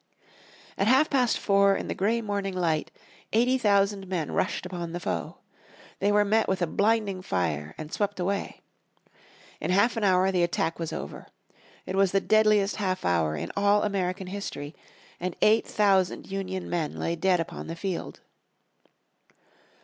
At half past four in the grey morning light eighty thousand men rushed upon the foe. They were met with a blinding fire and swept away. In half an hour the attack was over. It was the deadliest half hour in all American history, and eight thousand Union men lay dead upon the field.